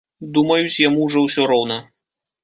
Думаюць, яму ўжо ўсё роўна.